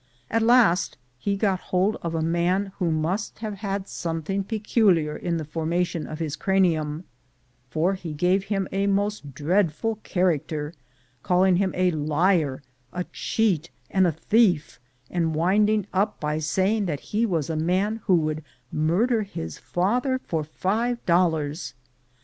At last he got hold of a man who must have had something peculiar in the formation of his cranium, for he gave him a most dreadful character, calling him a liar, a cheat, and a thief, and winding up by saying that he was a man who would murder his father for five dollars.